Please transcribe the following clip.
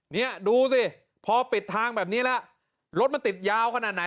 เนี่ยดูสิพอปิดทางแบบนี้แล้วรถมันติดยาวขนาดไหน